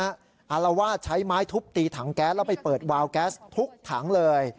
อารวาสใช้ไม้ทุบตีถังแก๊สแล้วไปเปิดวาวแก๊สทุกถังเลย